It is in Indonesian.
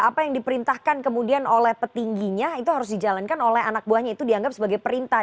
apa yang diperintahkan kemudian oleh petingginya itu harus dijalankan oleh anak buahnya itu dianggap sebagai perintah